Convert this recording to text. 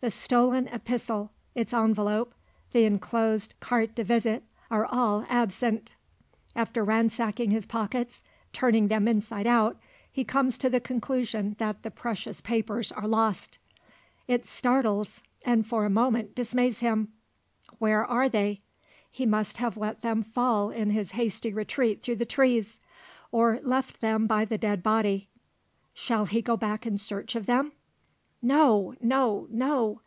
The stolen epistle, its envelope, the enclosed carte de visite all are absent. After ransacking his pockets, turning them inside out, he comes to the conclusion that the precious papers are lost. It startles, and for a moment dismays him. Where are they? He must have let them fall in his hasty retreat through the trees; or left them by the dead body. Shall he go back in search of them? No no no!